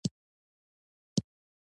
مومنان مې بې ایمانه او ګناه کار بولي.